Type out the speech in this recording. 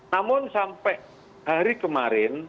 namun sampai hari kemarin